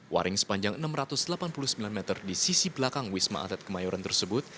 waring sepanjang enam ratus delapan puluh sembilan meter di sisi belakang wisma atlet kemayoran tersebut